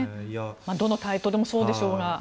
どのタイトルもそうでしょうが。